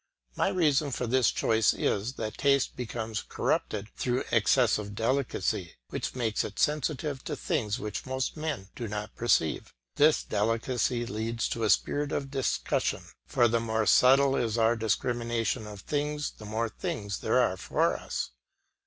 My reason for this choice is, that taste becomes corrupted through excessive delicacy, which makes it sensitive to things which most men do not perceive; this delicacy leads to a spirit of discussion, for the more subtle is our discrimination of things the more things there are for us.